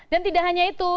dan tidak hanya itu